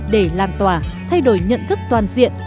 để lan tỏa thay đổi nhận thức toàn diện